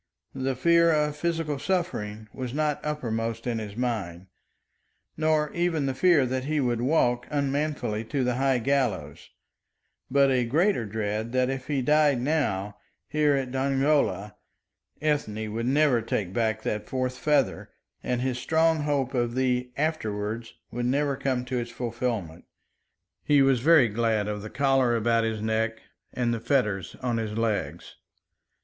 The fear of physical suffering was not uppermost in his mind, nor even the fear that he would walk unmanfully to the high gallows, but a greater dread that if he died now, here, at Dongola, Ethne would never take back that fourth feather, and his strong hope of the "afterwards" would never come to its fulfilment. He was very glad of the collar about his neck and the fetters on his legs.